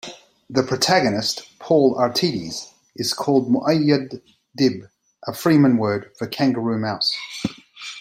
The protagonist, Paul Atreides, is called Muad'Dib, a fremen word for kangaroo mouse.